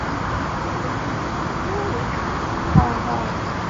刘粲及后就派靳准杀死刘乂。